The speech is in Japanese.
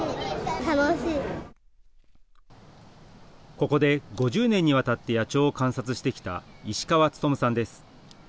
ここで５０年にわたって野鳥を観察してきた石川勉さんです。